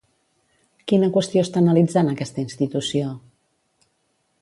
Quina qüestió està analitzant aquesta institució?